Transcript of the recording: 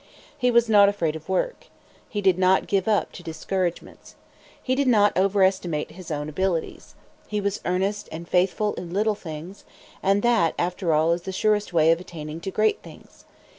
He was not afraid of work. He did not give up to discouragements. He did not overestimate his own abilities. He was earnest and faithful in little things; and that, after all, is the surest way of attaining to great things.